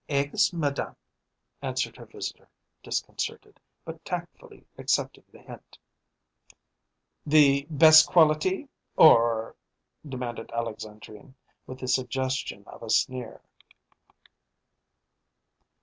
"Eggs, madame," answered her visitor, disconcerted, but tactfully accepting the hint. "The best quality or ?" demanded Alexandrine, with the suggestion of a sneer.